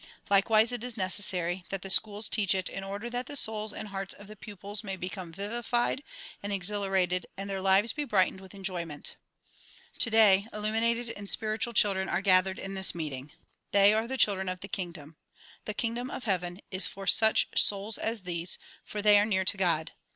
Likewise it is necessary that the schools teach it in order that the souls and hearts of the pupils may be come vivified and exhilarated and their lives be brightened with enjoyment. Today illumined and spiritual children are gathered in this meeting. They are the children of the kingdom. The kingdom of heaven is for such souls as these, for they are near to God.